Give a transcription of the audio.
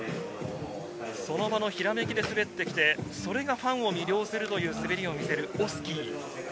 その場のひらめきで滑ってきて、それがファンを魅了するという滑りを見せるオスキー。